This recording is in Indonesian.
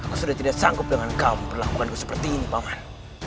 aku sudah tidak sanggup dengan kau memperlakukanku seperti ini pak fah